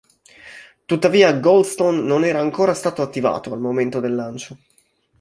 Tuttavia Goldstone non era ancora stato attivato al momento del lancio.